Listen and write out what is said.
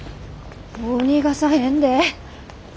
もう逃がさへんで。